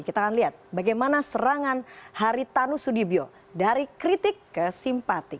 kita akan lihat bagaimana serangan haritanu sudibyo dari kritik ke simpatik